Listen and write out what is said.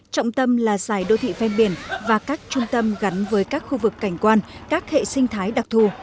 trọng tâm là dài đô thị ven biển và các trung tâm gắn với các khu vực cảnh quan các hệ sinh thái đặc thù